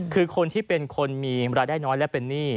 คือคนที่เป็นคนมีรายได้น้อยและเป็นหนี้